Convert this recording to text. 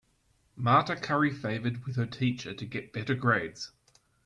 Marta curry favored with her teacher to get better grades.